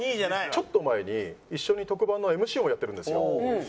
ちょっと前に一緒に特番のＭＣをやってるんですよ。